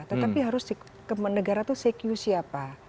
tetapi harus ke negara itu sekiusi apa